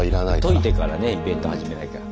解いてからねイベント始めなきゃ。